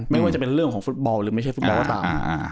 ไม่ว่าจะเป็นเรื่องของฟุตบอลหรือไม่ใช่ฟุตบอลก็ตาม